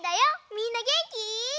みんなげんき？